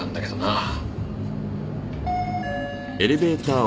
ああ。